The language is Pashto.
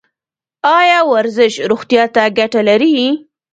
ایا ورزش روغتیا ته ګټه لري؟